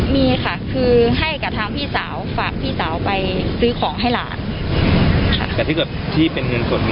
มีค่ะคือให้กับทางพี่สาวฝากพี่สาวไปซื้อของให้หลาน